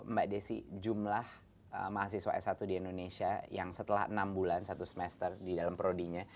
mbak desi jumlah mahasiswa s satu di indonesia yang setelah enam bulan satu semester di dalam prodinya